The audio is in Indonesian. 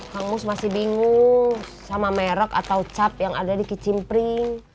hangus masih bingung sama merek atau cap yang ada di kicimpring